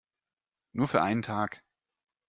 Nur für einen Tag.